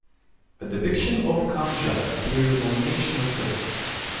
A depiction of a khanjar appears on the national flag.